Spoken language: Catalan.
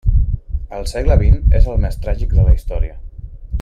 El segle vint és el més tràgic de la història.